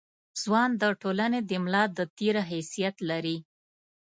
ځوان د ټولنې د ملا د تیر حیثیت لري.